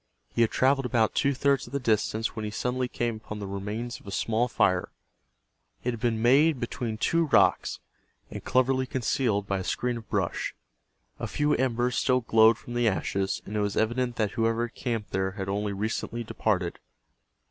He had traveled about two thirds of the distance when he suddenly came upon the remains of a small fire. It had been made between two rocks, and cleverly concealed by a screen of brush. A few embers still glowed from the ashes, and it was evident that whoever had camped there had only recently departed.